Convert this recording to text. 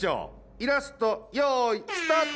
イラストよいスタート！